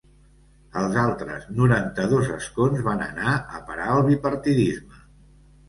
Els altres noranta-dos escons van anar a parar al bipartidisme.